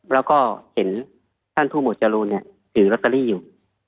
แล้วก็เห็นท่านผู้หมวดจรูนถือลอตเตอรี่อยู่